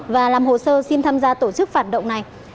và làm hồ sơ xin tham gia tổ chức phản động này